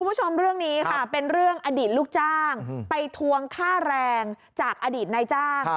คุณผู้ชมเรื่องนี้ค่ะเป็นเรื่องอดีตลูกจ้างไปทวงค่าแรงจากอดีตนายจ้าง